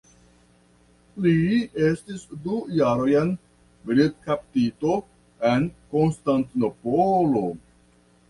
Li estis du jarojn militkaptito en Konstantinopolo.